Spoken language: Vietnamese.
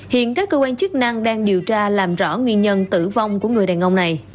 hiện các cơ quan chức năng đang điều tra làm rõ nguyên nhân tử vong của người đàn ông này